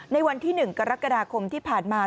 ในวันที่หนึ่งกระกาฏคมที่ผ่านมา